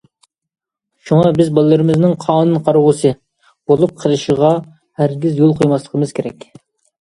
شۇڭا، بىز بالىلىرىمىزنىڭ« قانۇن قارىغۇسى» بولۇپ قېلىشىغا ھەرگىز يول قويماسلىقىمىز كېرەك.